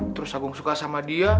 terus agung suka sama cewek yang baik